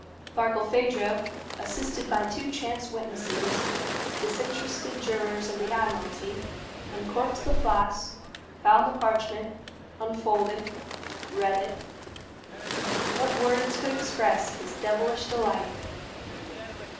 Barkilphedro, assisted by two chance witnesses, disinterested jurors of the Admiralty, uncorked the flask, found the parchment, unfolded, read it. What words could express his devilish delight!